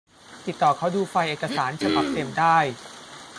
ติดต่อขอดูไฟล์เอกสารฉบับเต็มได้